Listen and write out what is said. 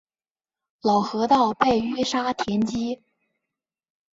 老河道被淤沙填积。